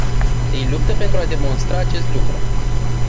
Ei luptă pentru a demonstra acest lucru.